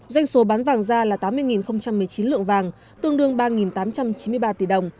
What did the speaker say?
doanh số bán vàng ra là tám mươi một mươi chín lượng vàng tương đương ba tám trăm chín mươi ba tỷ đồng